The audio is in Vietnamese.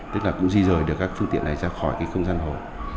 tức là cũng di rời được các phương tiện này ra khỏi không gian hồ